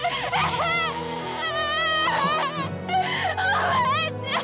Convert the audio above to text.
おばあちゃん！